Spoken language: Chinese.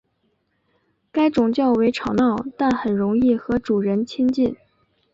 该种较为吵闹但很容易和主人亲近。